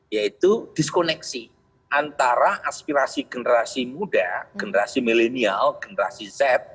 yaitu diskoneksi antara aspirasi generasi muda generasi milenial generasi z